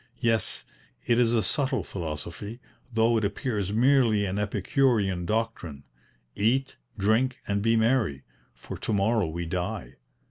Yes, it is a subtle philosophy, though it appears merely an epicurean doctrine: 'Eat, drink, and be merry, for to morrow we die.'